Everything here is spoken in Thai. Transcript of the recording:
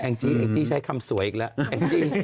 แอ้งจี้ใช้คำสวยอีกแล้ว